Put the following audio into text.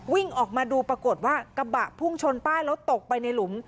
วิ่งออกมาดูปรากฏว่ากระบะพุ่งชนป้ายแล้วตกไปในหลุม